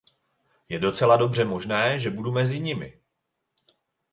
Je docela dobře možné, že budu mezi nimi.